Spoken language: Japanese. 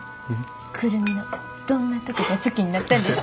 久留美のどんなとこが好きになったんですか？